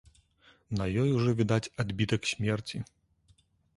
На ёй ужо відаць адбітак смерці.